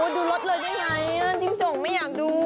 ดูรถเลยได้ไงจิ้งจกไม่อยากดู